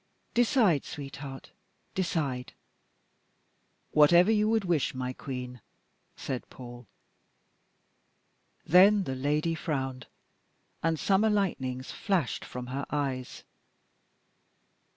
Decide, sweetheart decide!" "Whatever you would wish, my Queen," said Paul. Then the lady frowned, and summer lightnings flashed from her eyes.